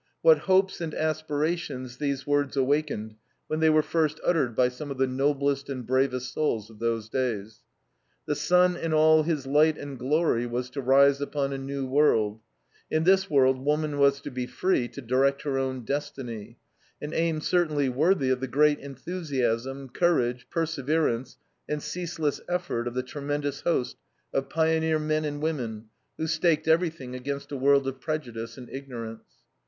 What hopes and aspirations these words awakened when they were first uttered by some of the noblest and bravest souls of those days. The sun in all his light and glory was to rise upon a new world; in this world woman was to be free to direct her own destiny an aim certainly worthy of the great enthusiasm, courage, perseverance, and ceaseless effort of the tremendous host of pioneer men and women, who staked everything against a world of prejudice and ignorance.